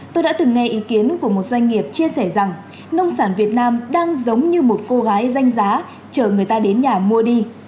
tôi đã từng nghe ý kiến của một doanh nghiệp chia sẻ rằng nông sản việt nam đang giống như một cô gái danh giá chở người ta đến nhà mua đi